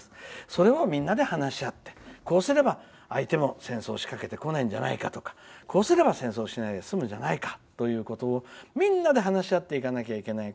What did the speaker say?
それをみんなで話し合ってこうすれば相手も戦争しかけてこないんじゃないかとかこうすれば戦争をしないですむんじゃないかということをみんなで話し合っていかないといけない。